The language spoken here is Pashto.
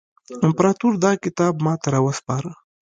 امپراطور دا کتاب ماته را وسپاره.